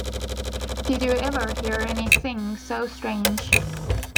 Did you ever hear any thing so strange?